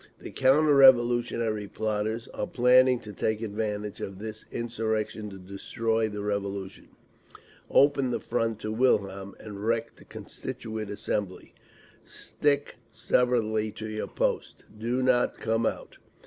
The counter revolutionary plotters are planning to take advantage of this insurrection to destroy the Revolution, open the front to Wilhelm, and wreck the Constituent Assembly…. Stick stubbornly to your posts! Do not come out!